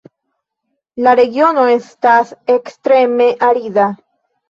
La regiono estas ekstreme arida.